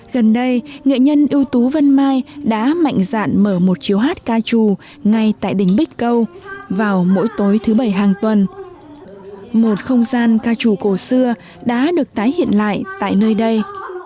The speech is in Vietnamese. gần đây nghệ nhân ưu tú vân mai đã mạnh dạn mở một chiếu hát ca trù ngay tại đỉnh bích câu vào mỗi tối thứ bảy hàng tuần một không gian ca trù cổ xưa đã được tái hiện lại tại nơi đây